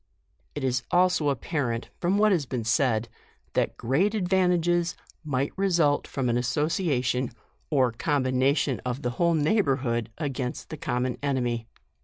It is also apparent from what has been said, that great advantages might result from an association or combination of the whole neigh borhood against the common enemy.